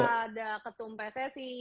ada ketum pssi